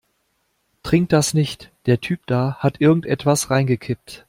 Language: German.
Trink das nicht, der Typ da hat irgendetwas reingekippt.